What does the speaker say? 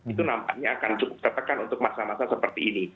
itu nampaknya akan cukup tertekan untuk masa masa seperti ini